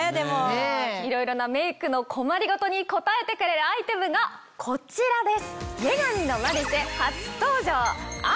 いろいろなメイクの困り事に応えてくれるアイテムがこちらです。